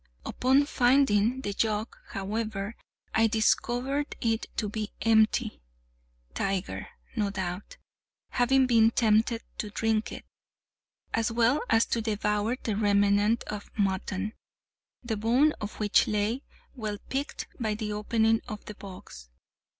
Upon finding the jug, however, I discovered it to be empty—Tiger, no doubt, having been tempted to drink it, as well as to devour the remnant of mutton, the bone of which lay, well picked, by the opening of the box.